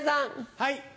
はい。